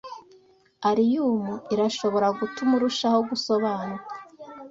Aliyumu irashobora gutuma urushaho gusobanuka